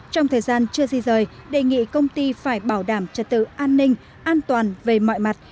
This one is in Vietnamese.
trong thời gian chưa di rời đề nghị công ty phải bảo đảm trật tự an ninh an toàn về mọi mặt